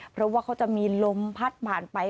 เพราะว่าเขาจะมีลมพัดผ่านไป